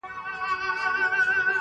د همزولو له ټولۍ سره به سيال واى!.